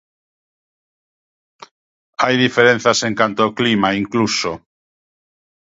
Hai diferenzas en canto ao clima, incluso.